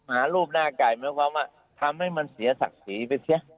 หมารูปหน้าไก่มันทำให้มันเสียศักดิ์ศรีไปเทียบ